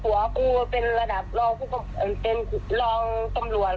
ก็บอกว่าหัวกูเป็นระดับรองมันเป็นรองตำรวจ